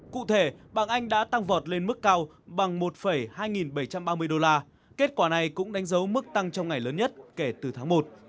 cụ thể bảng anh đã tăng vọt lên mức cao bằng một hai bảy trăm ba mươi đô la kết quả này cũng đánh dấu mức tăng trong ngày lớn nhất kể từ tháng một